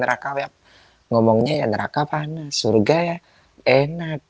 neraka web ngomongnya ya neraka panas surga ya enak